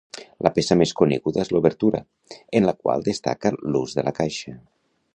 La peça més coneguda és l'obertura, en la qual destaca l'ús de la caixa.